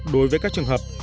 đối với các trường hợp